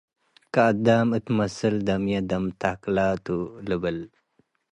ከአዳም እት መሰል፤ “ደምዬ ደም ተክለ ቱ” ልብል።